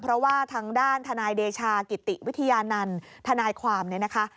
เพราะว่าทางด้านทนายเดชากิติวิทยานันต์ทนายความเนี่ยนะคะ